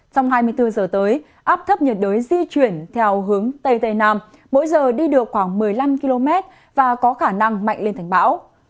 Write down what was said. trong hai mươi bốn giờ tới áp thấp nhiệt đới di chuyển theo hướng tây tây nam mỗi giờ đi được khoảng một mươi năm km và có khả năng mạnh lên thành bão